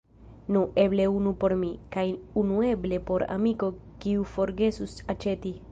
Nu, eble unu por mi, kaj unu eble por amiko kiu forgesus aĉeti.